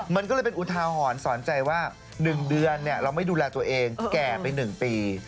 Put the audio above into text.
มันก็เลยเป็นอุทาหรณ์สอนใจว่า๑เดือนเราไม่ดูแลตัวเองแก่ไป๑ปี